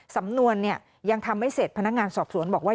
สำนวนยังทำไม่เสร็จพนักงานสอบสวนบอกว่า